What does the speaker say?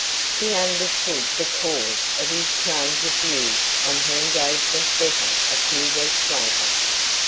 She understood the cause of his change of views on her engagement better a few weeks later.